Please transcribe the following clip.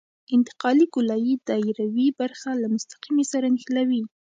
انتقالي ګولایي دایروي برخه له مستقیمې سره نښلوي